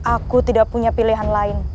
aku tidak punya pilihan lain